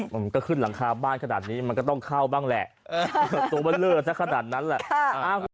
มันก็ขึ้นหลังคาบ้านขนาดนี้มันก็ต้องเข้าบ้างแหละตัวเบอร์เลอร์สักขนาดนั้นแหละ